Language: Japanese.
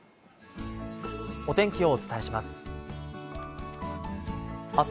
お天気をお伝えします。